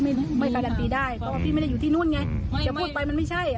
มาพักที่นี่